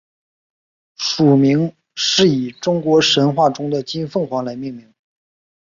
属名是以中国神话中的金凤凰来命名。